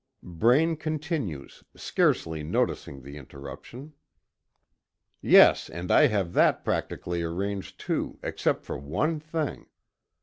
Braine continues, scarcely noticing the interruption: "Yes, and I have that practically arranged, too, except for one thing.